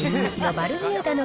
バルミューダの。